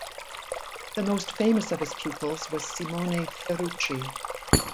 The most famous of his pupils was Simone Ferrucci.